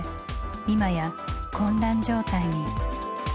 今や「混乱」状態に。